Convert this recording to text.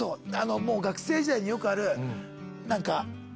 学生時代によくある。